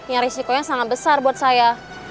yang risikonya sangat besar buat saya